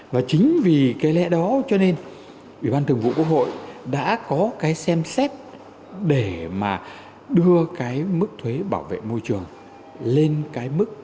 và chính vì cái lẽ đó cho nên ủy ban thường vụ quốc hội đã có cái xem xét để mà đưa cái mức thuế bảo vệ môi trường lên cái mức